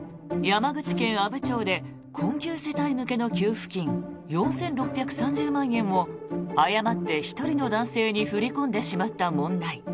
山口県阿武町で困窮世帯向けの給付金４６３０万円を誤って１人の男性に振り込んでしまった問題。